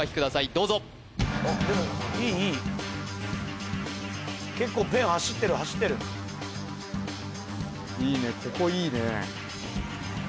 どうぞあっでもいいいい結構ペン走ってる走ってるいいね